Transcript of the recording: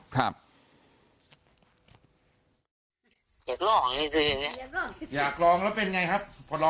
ครับ